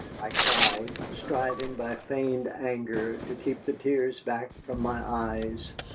I cried, striving by feigned anger to keep the tears back from my eyes.